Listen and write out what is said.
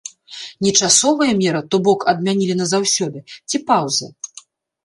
Не часовая мера, то бок, адмянілі назаўсёды ці паўза?